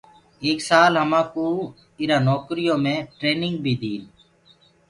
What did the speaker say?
ايڪ سآل همآنٚ ڪوٚ اِرا نوڪريٚ يو مي ٽرينيٚنگ بيٚ ديٚن